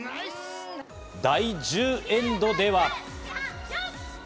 第１０エンドでは。